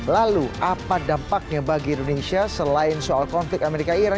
lalu apa dampaknya bagi indonesia selain soal konflik amerika iran